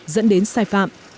dẫn đến sai phạm